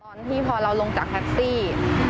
ตอนที่พอเราลงจากแท็กซี่